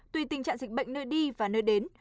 tùy tình trạng dịch bệnh nơi đi và nơi đến